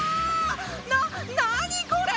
な何これ！？